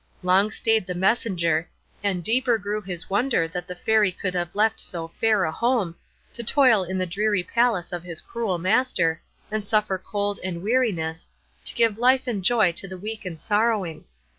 Long stayed the messenger, and deeper grew his wonder that the Fairy could have left so fair a home, to toil in the dreary palace of his cruel master, and suffer cold and weariness, to give life and joy to the weak and sorrowing.